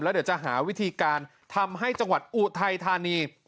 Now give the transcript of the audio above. เดี๋ยวจะหาวิธีการทำให้จังหวัดอุทัยธานี